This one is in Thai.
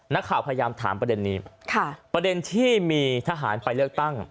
นักข่าวพยายามถามประเด็นนี้ค่ะประเด็นที่มีทหารไปเลือกตั้ง